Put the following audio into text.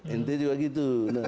inti juga begitu